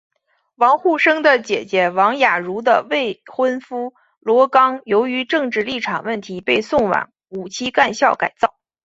王沪生的姐姐王亚茹的未婚夫罗冈由于政治立场问题被送往五七干校改造。